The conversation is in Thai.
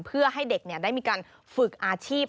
เพื่อให้เด็กได้มีการฝึกอาชีพ